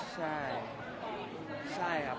สักพักแล้วครับ